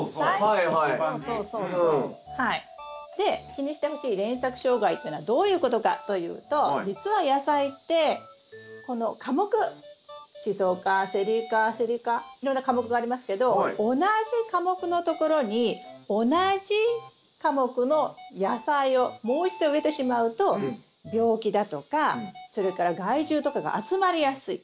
気にしてほしい連作障害ってのはどういうことかというと実は野菜ってこの科目シソ科セリ科セリ科いろんな科目がありますけど同じ科目のところに同じ科目の野菜をもう一度植えてしまうと病気だとかそれから害虫とかが集まりやすい。